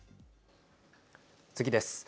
次です。